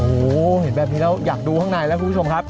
โอ้โหเห็นแบบนี้แล้วอยากดูข้างในแล้วคุณผู้ชมครับ